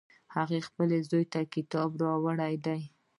هغې خپل زوی ته کتاب راوړی ده